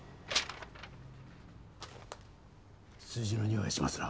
数字のにおいがしますな。